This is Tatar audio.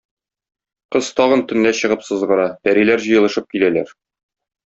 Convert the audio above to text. Кыз тагын төнлә чыгып сызгыра, пәриләр җыелышып киләләр.